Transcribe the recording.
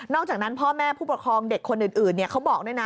อกจากนั้นพ่อแม่ผู้ปกครองเด็กคนอื่นเขาบอกด้วยนะ